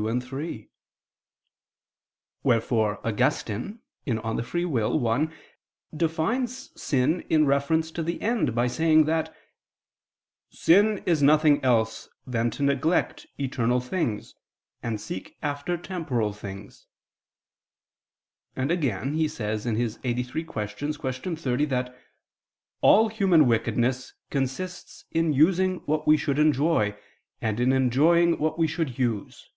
2, 3): wherefore Augustine (De Lib. Arb. i) defines sin in reference to the end, by saying that "sin is nothing else than to neglect eternal things, and seek after temporal things": and again he says (Qq. lxxxii, qu. 30) that "all human wickedness consists in using what we should enjoy, and in enjoying what we should use."